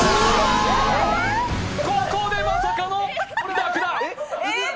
ここで、まさかのラクダ。